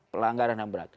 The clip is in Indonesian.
pelanggaran ham berat